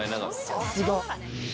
さすが。